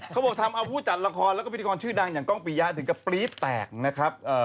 เขาบอกทำเอาผู้จัดละครแล้วก็พิธีกรชื่อดังอย่างกล้องปียะถึงกับปรี๊ดแตกนะครับ